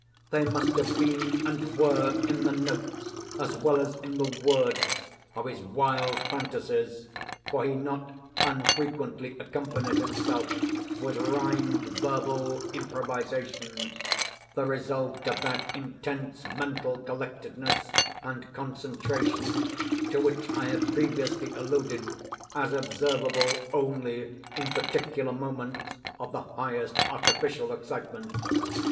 They must have been, and were, in the notes, as well as in the words of his wild fantasias (for he not unfrequently accompanied himself with rhymed verbal improvisations), the result of that intense mental collectedness and concentration to which I have previously alluded as observable only in particular moments of the highest artificial excitement.